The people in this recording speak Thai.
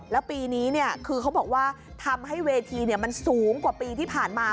แล้วปีนี้คือเขาบอกว่าทำให้เวทีมันสูงกว่าปีที่ผ่านมา